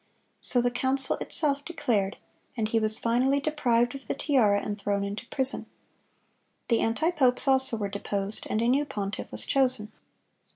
So the council itself declared; and he was finally deprived of the tiara, and thrown into prison. The anti popes also were deposed, and a new pontiff was chosen.